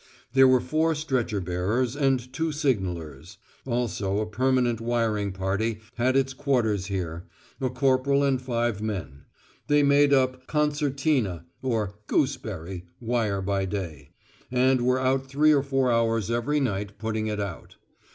There were four stretcher bearers and two signallers also at Trafalgar Square. Also a permanent wiring party had its quarters here, a corporal and five men; they made up "concertina" or "gooseberry" wire by day, and were out three or four hours every night putting it out.